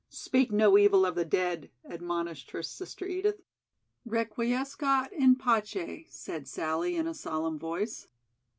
"Speak no evil of the dead," admonished her sister Edith. "Requiescat in pace," said Sallie in a solemn voice.